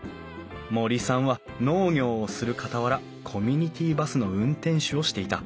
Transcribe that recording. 森さんは農業をするかたわらコミュニティーバスの運転手をしていた。